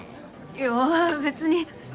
いや別に。